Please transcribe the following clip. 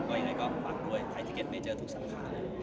ก็อย่างไรก็ฝากด้วยไทยทิเก็ตเมจเตอร์ทุกสำคัญ